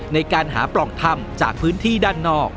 ในการหาปล่องถ้ำจากพื้นที่ด้านนอก